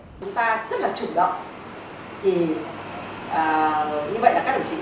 chúng ta rất là chủ động như vậy là các đồng chí cũng đặc biệt